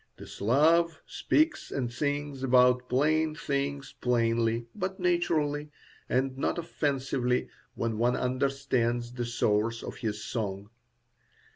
The Slav speaks and sings about plain things plainly, but naturally, and not offensively when one understands the source of his song.